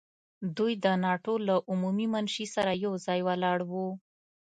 دوی د ناټو له عمومي منشي سره یو ځای ولاړ وو.